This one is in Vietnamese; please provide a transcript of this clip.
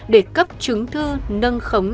để cấp chứng thư nâng khống